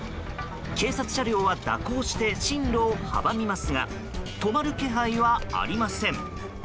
警察車両は蛇行して進路を阻みますが止まる気配はありません。